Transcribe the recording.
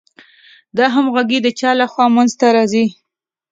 دا همغږي د چا له خوا منځ ته راځي؟